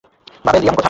Bubble ইয়াম খাবে?